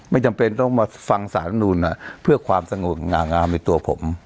ไม่จำเป็นต้องมาฟังสหรัฐมนุษย์นะครับเพื่อความสงบงามอยู่ตัวผม